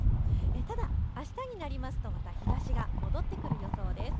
ただ、あしたになりますとまた日ざしが戻ってくる予想です。